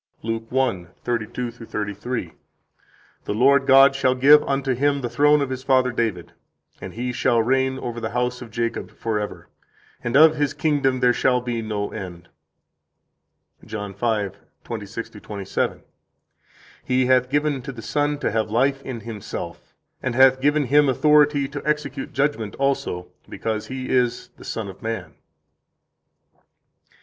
39 Luke 1:32 33: The Lord God shall give unto Him the throne of His father David; and He shall reign over the house of Jacob forever, and of His kingdom there shall be no end. 40 John 5:26 27: He hath given to the Son to have life in Himself, and hath given Him authority to execute judgment also, because He is the Son of Man.